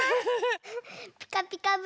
「ピカピカブ！」